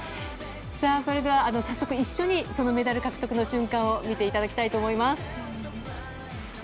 それでは早速メダル獲得の瞬間を一緒に見ていただきたいと思います。